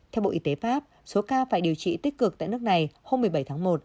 theo bộ y tế pháp số ca phải điều trị tích cực tại nước này hôm một mươi bảy tháng một